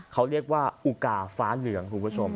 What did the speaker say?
เขาเรียกว่าอุกาฟ้าเหลืองคุณผู้ชม